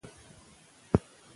که تشویق وي نو زړه نه ماتیږي.